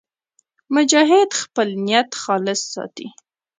مجاهد خپل نیت خالص ساتي.